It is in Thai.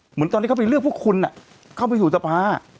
เหมือนตอนที่เขาไปเลือกพวกคุณเข้าไปสู่สภา